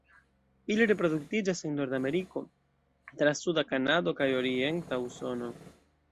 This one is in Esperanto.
Ili reproduktiĝas en Nordameriko, tra suda Kanado kaj orienta Usono.